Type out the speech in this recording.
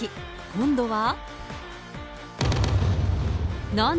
今度は？